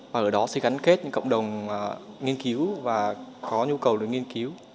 và ở đó sẽ gắn kết những cộng đồng nghiên cứu và có nhu cầu để nghiên cứu